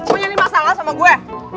mau nyari masalah sama gue